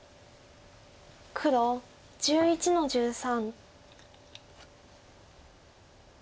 黒１１の十三。